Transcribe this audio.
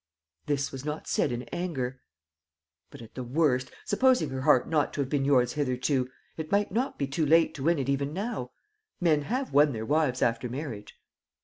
"This was not said in anger." "But at the worst, supposing her heart not to have been yours hitherto, it might not be too late to win it even now. Men have won their wives after marriage."